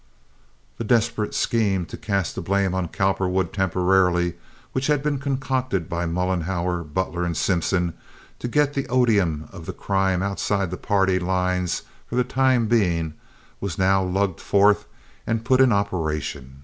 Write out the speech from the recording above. That desperate scheme to cast the blame on Cowperwood temporarily, which had been concocted by Mollenhauer, Butler, and Simpson, to get the odium of the crime outside the party lines for the time being, was now lugged forth and put in operation.